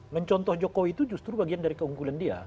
mencontoh jokowi itu justru bagian dari keunggulan dia